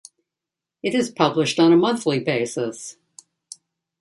It is published on a monthly basis.